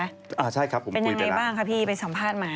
อะใช่ครับมีคุณพูดให้แล้วอะเป็นยังอะไรบ้างคะพี่ไปสัมภาษณ์มา